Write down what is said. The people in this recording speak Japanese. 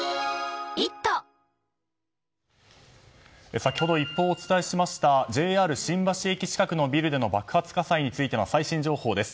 先ほど、一報をお伝えしましたＪＲ新橋駅近くのビルでの爆発火災についての最新情報です。